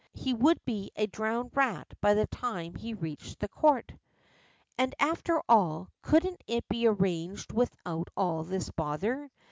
He would be a drowned rat by the time he reached the Court. And, after all, couldn't it be arranged without all this bother?